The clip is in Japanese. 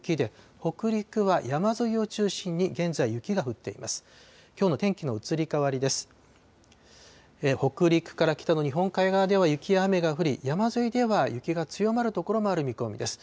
北陸から北の日本海側では雪や雨が降り、山沿いでは雪が強まる所もある見込みです。